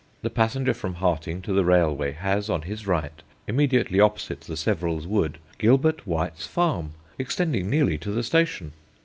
The passenger from Harting to the railway has on his right, immediately opposite the 'Severals' wood, Gilbert White's Farm, extending nearly to the station.